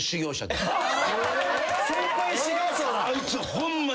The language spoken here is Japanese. あいつホンマに。